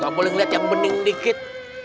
gak boleh ngeliat yang bening dikit